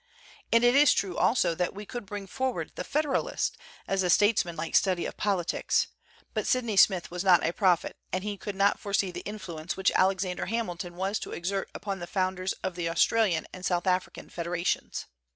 And it is true also that we could bring forward the ' Feder alist' as a statesman like study of politics; but Sydney Smith was not a prophet and he could not foresee the influence which Alexander Ham ilton was to exert upon the founders of the Australian and South African federations.